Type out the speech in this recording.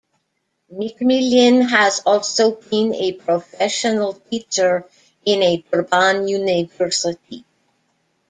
McMillan has also been a professional teacher in a Durban university.